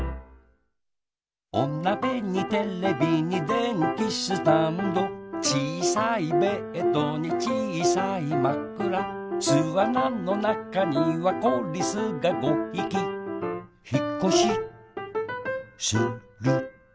おなべにテレビにでんきスタンドちいさいベッドにちいさいまくらすあなのなかにはこリスが５ひきひっこしする